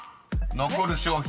［残る商品